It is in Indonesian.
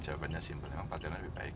jawabannya simpel memang partai lebih baik